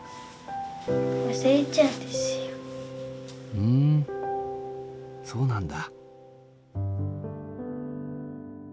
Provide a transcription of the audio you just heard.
ふんそうなんだ。